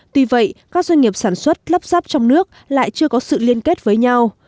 tuy vậy các doanh nghiệp sản xuất lắp ráp trong nước lại chưa có sự liên kết với nhau